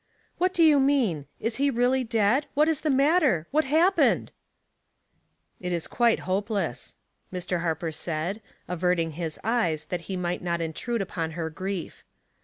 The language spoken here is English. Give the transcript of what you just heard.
" What do you mean ? Is he really dead ? What is th£ matter ? What happened ?"'* It is quite hopeless," Mr. Harper said, avert ing his eyes that he might not intrude upon her grief.